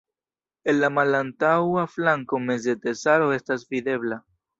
En la malantaŭa flanko meze teraso estas videbla.